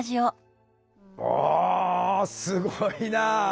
あすごいなあ。